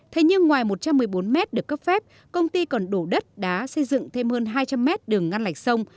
thế nhưng ngoài một trăm một mươi bốn mét được cấp phép công ty còn đổ đất đá xây dựng thêm hơn hai trăm linh mét đường ngăn ngạch sông